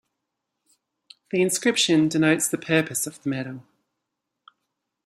The inscription denotes the purpose of the medal.